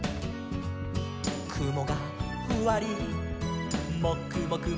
「くもがふわりもくもくもくも」